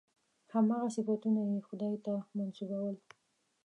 هماغه صفتونه یې خدای ته منسوبول.